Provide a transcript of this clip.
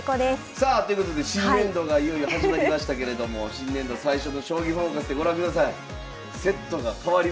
さあということで新年度がいよいよ始まりましたけれども新年度最初の「将棋フォーカス」でご覧ください。